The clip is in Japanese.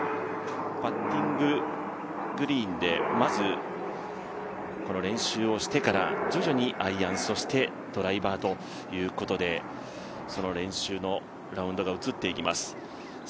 パッティンググリーンで、まず練習をしてから、徐々にアイアン、ドライバーということで、その練習のラウンドが移っていきます。